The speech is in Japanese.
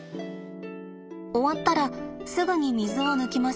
終わったらすぐに水を抜きます。